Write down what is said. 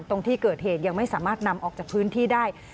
ตรงที่เกิดเหตุยังไม่สามารถนำออกจากพื้นที่ได้